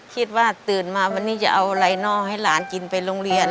คิดว่าตื่นมาวันนี้จะเอาอะไรนอลให้หลานกินไปโรงเรียน